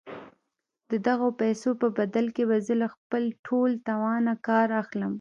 د دغو پيسو په بدل کې به زه له خپل ټول توانه کار اخلم.